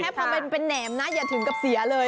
แค่เป็นแหน่มนะอย่าถึงว่าเศียเลย